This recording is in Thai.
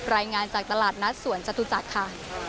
รายงานจากตลาดนัดสวนจตุจักรค่ะ